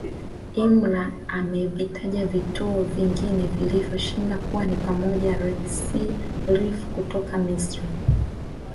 Imler amevitaja vivutio vingine vilivyo shinda kuwa ni pamoja Red sea reef kutoka Misri